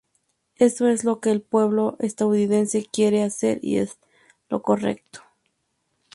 Eso es lo que el pueblo estadounidense quiere hacer, y es lo correcto.